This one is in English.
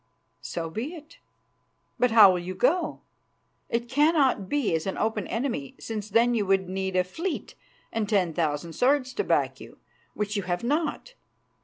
So be it. But how will you go? It cannot be as an open enemy, since then you would need a fleet and ten thousand swords to back you, which you have not.